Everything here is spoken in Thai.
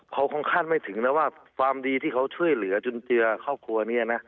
เขาคงคาดไม่ถึงนะว่าความดีที่เขาช่วยเหลือจุนเจือครอบครัวนี้นะ